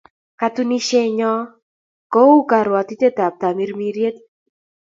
Ktunisienyo ko u karuatitaet ap tamirmiriet